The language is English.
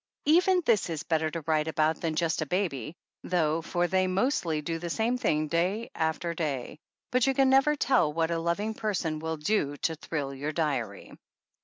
Even this is better to write about than just a baby, though, for they mostly do the same thing day after day ; but you can never tell what a loving person will do to thrill your diary.